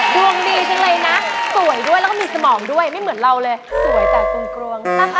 ดวงดีจังเลยนะสวยด้วยแล้วก็มีสมองด้วยไม่เหมือนเราเลยสวยแต่กรวง